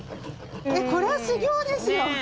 これは修行ですよ。